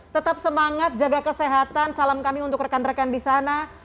tetap semangat jaga kesehatan salam kami untuk rekan rekan di sana